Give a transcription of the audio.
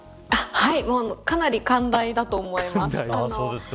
かなり寛大だと思います。